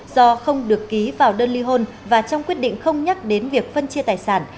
do không được ký vào đơn ly hôn và trong quyết định không nhắc đến việc phân chia tài sản